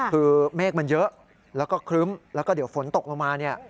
คือเมฆมันเยอะแล้วก็ครึ้มแล้วก็เดี๋ยวฝนตกลงมาเนี่ย